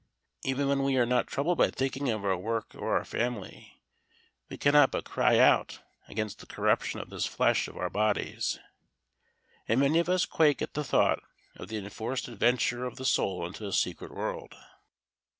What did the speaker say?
Even when we are not troubled by thinking of our work or our family, we cannot but cry out against the corruption of this flesh of our bodies, and many of us quake at the thought of the enforced adventure of the soul into a secret world.